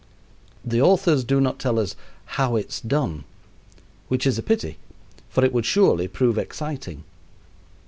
The authors do not tell us "how it's done," which is a pity, for it would surely prove exciting.